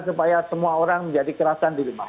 supaya semua orang menjadi kerasan di rumah